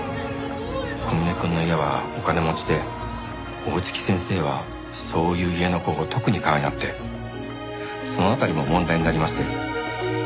小峰くんの家はお金持ちで大槻先生はそういう家の子を特にかわいがってその辺りも問題になりまして。